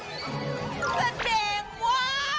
แสดงว่า